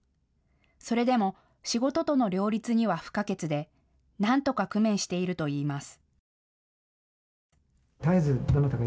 それでも仕事との両立には不可欠で、なんとか工面しているといいます。